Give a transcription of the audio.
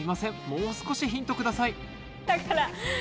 もう少しヒントください